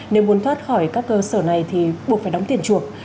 nếu muốn thoát khỏi các cơ sở này thì buộc phải đóng tiền chuộc